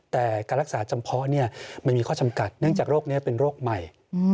แต่การรักษาจำเพาะมันมีข้อจำกัดเนื่องจากโรคนี้เป็นโรคใหม่